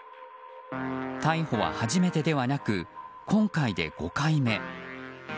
逮捕は初めてではなく今回で５回目。